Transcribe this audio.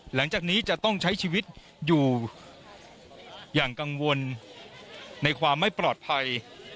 หลังจากนี้จะต้องใช้ชีวิตอยู่อย่างกังวลในความไม่ปลอดภัย